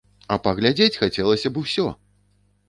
А паглядзець хацелася б усё!